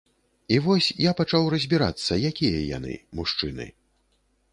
І вось, я пачаў разбірацца, якія яны, мужчыны.